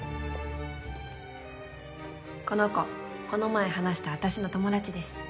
この子この前話した私の友達です。